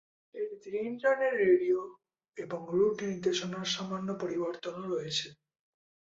এটিতে internet radio এবং route নির্দেশনার সামান্য পরিবর্তনও রয়েছে।